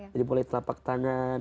jadi mulai telapak tangan